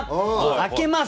開けます。